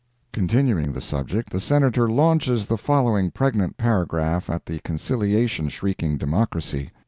Continuing the subject, the Senator launches the following pregnant paragraph at the conciliation shrieking Democracy.